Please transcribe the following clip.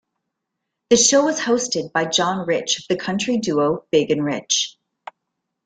The show was hosted by John Rich of the country duo Big and Rich.